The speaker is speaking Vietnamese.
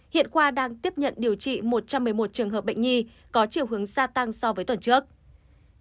hiện khoa đang tiếp nhận điều trị một trăm một mươi một trường hợp bệnh nhi có chiều hướng gia tăng so với tuần trước